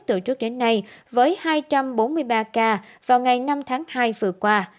từ trước đến nay với hai trăm bốn mươi ba ca vào ngày năm tháng hai vừa qua